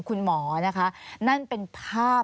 คุณหมอนะคะนั่นเป็นภาพ